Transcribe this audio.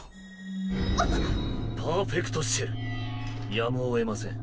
やむをえません。